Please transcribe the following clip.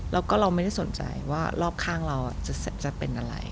แล้วก็เราไม่ได้สนใจว่ารอบข้างเราจะเป็นอะไร